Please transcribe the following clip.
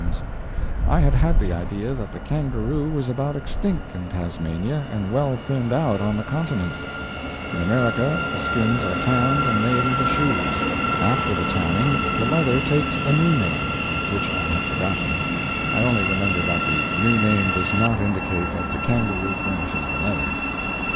I had had the idea that the kangaroo was about extinct in Tasmania and well thinned out on the continent. In America the skins are tanned and made into shoes. After the tanning, the leather takes a new name which I have forgotten I only remember that the new name does not indicate that the kangaroo furnishes the leather.